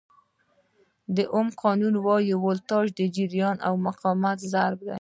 د اوم قانون وایي ولټاژ د جریان او مقاومت ضرب دی.